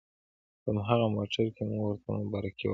په هماغه موټر کې مو ورته مبارکي ورکړه.